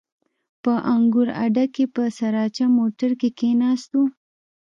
په انګور اډه کښې په سراچه موټر کښې کښېناستو.